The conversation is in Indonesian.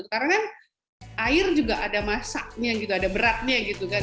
karena kan air juga ada masaknya gitu ada beratnya gitu kan